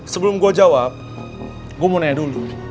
sebelum gue jawab gue mau nanya dulu